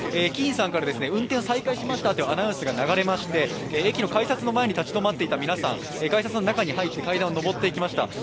駅員さんから、運転再開しましたとアナウンスが流れまして駅の改札の前に立ち止まっていた皆さん、改札の中に入って階段を上っていきました。